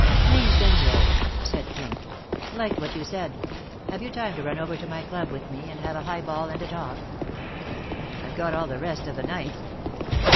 "Name's Denslow," said Pink. "Liked what you said. Have you time to run over to my club with me and have a high ball and a talk?" "I've got all the rest of the night."